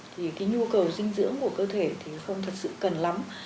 thì cái nhu cầu dinh dưỡng của cơ thể thì không thật sự cần lắm